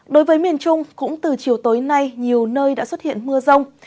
đối với miền trung cũng từ chiều tối nay nhiều nơi đã xuất hiện mưa rông